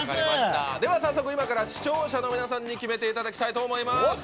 早速今から視聴者の皆さんに決めていただこうと思います。